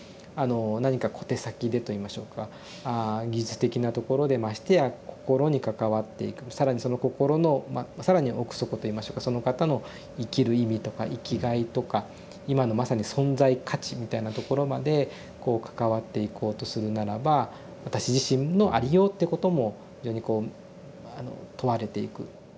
何か小手先でといいましょうか技術的なところでましてや心に関わっていく更にその心の更に奥底といいましょうかその方の生きる意味とか生きがいとか今のまさに存在価値みたいなところまでこう関わっていこうとするならば私自身のありようってことも非常にこうあの問われていく。